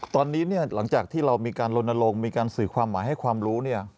ตอนนี้หลังจากที่เรามีการลนลงมีการสื่อความหมายให้ความรู้